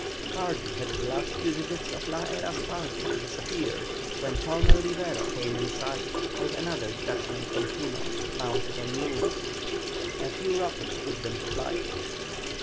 Hardly had the last fugitives of La Hera's party disappeared when Colonel Rivero came in sight, with another detachment from Puno, mounted on mules. A few rockets put them to flight.